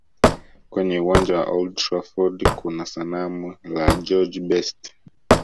Kwenye uwanja wa old trafford kuna sanamu la george best